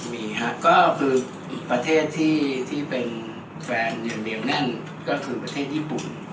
มีครับก็คือประเทศที่เป็นแฟนอย่างเหนียวแน่นก็คือประเทศญี่ปุ่น